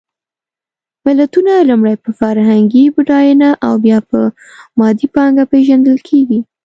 ملتونه لومړی په فرهنګي بډایېنه او بیا په مادي پانګه پېژندل کېږي.